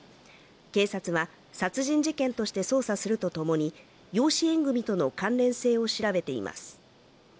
警察は殺人事件として捜査するとともに養子縁組との関連性を調べています。